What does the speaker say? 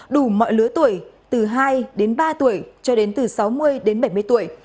đủ mọi lứa tuổi từ hai đến ba tuổi cho đến từ sáu mươi đến bảy mươi tuổi